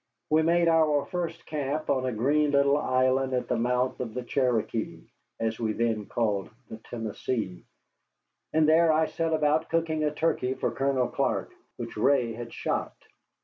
We made our first camp on a green little island at the mouth of the Cherokee, as we then called the Tennessee, and there I set about cooking a turkey for Colonel Clark, which Ray had shot.